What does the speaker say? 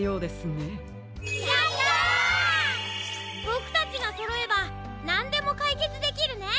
ボクたちがそろえばなんでもかいけつできるね！